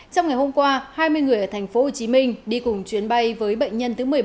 trong ngày hôm qua hai mươi người ở tp hcm đi cùng chuyến bay với bệnh nhân thứ một mươi bốn